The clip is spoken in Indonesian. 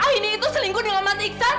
aini itu selingkuh dengan mas iksan